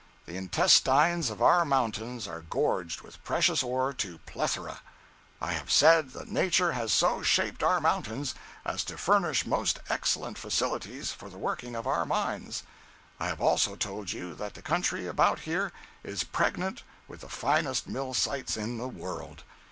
The intestines of our mountains are gorged with precious ore to plethora. I have said that nature has so shaped our mountains as to furnish most excellent facilities for the working of our mines. I have also told you that the country about here is pregnant with the finest mill sites in the world.